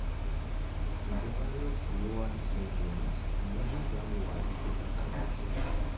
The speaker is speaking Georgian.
მდებარეობს ლუარის რეგიონის, მენი და ლუარის დეპარტამენტში.